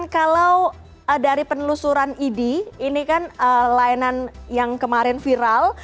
kalau dari penelusuran idi ini kan layanan yang kemarin viral